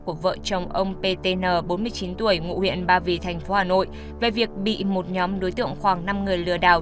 của vợ chồng ông ptn bốn mươi chín tuổi ngụ huyện ba vì thành phố hà nội về việc bị một nhóm đối tượng khoảng năm người lừa đảo